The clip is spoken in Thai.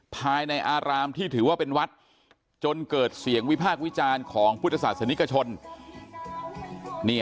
ภายในอารามที่ถือว่าเป็นวัดจนเกิดเสียงวิพากษ์วิจารณ์ของพุทธศาสนิกชน